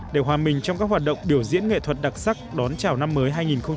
để hòa mình trong các hoạt động biểu diễn nghệ thuật đặc sắc đón chào năm mới hai nghìn hai mươi